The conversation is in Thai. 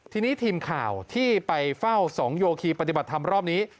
ทีนี้ทีมข่าวที่ไปเฝ้าสองโยคีปฏิบัติธรรมรอบนี้